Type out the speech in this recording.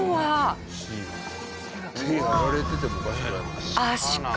手やられててもおかしくないもんね。